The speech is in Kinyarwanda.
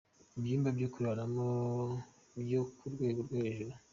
Ibyumba byo kuraramo byo ku rwego rwo hejuru ,.